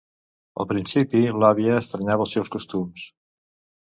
Al principi, l’àvia estranyava els seus costums.